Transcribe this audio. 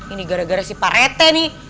ini gara gara si pak rete nih